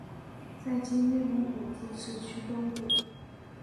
在今内蒙古自治区东部。